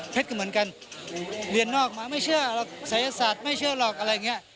ก็เหมือนกันเรียนนอกมาไม่เชื่อหรอกศัยศาสตร์ไม่เชื่อหรอกอะไรอย่างนี้